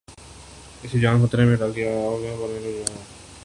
اسکی جان کو خطرے میں ڈال دیا آپ نے رپورٹنگ کر کے